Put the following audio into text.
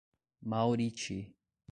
Mauriti